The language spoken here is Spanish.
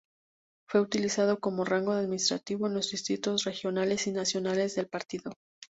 Fue utilizado como rango administrativo en los distritos, regionales y nacionales del partido.